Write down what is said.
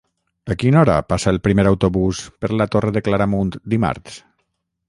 A quina hora passa el primer autobús per la Torre de Claramunt dimarts?